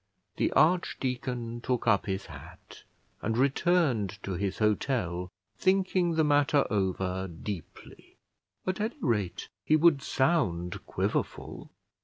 The archdeacon took up his hat, and returned to his hotel, thinking the matter over deeply. At any rate he would sound Quiverful.